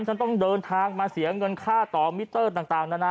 ฉันต้องเดินทางมาเสียเงินค่าต่อมิเตอร์ต่างนานา